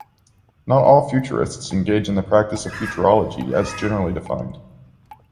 Not all futurists engage in the practice of futurology as generally defined.